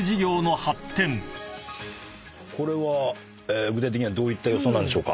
これは具体的にはどういった予想なんでしょうか？